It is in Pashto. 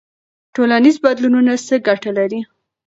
ټولنیز بدلونونه څه ګټه لري؟